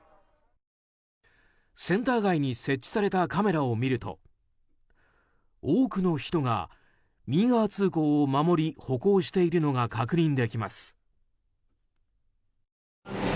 センター街に設置されたカメラを見ると多くの人が右側通行を守り歩行しているのが確認できます。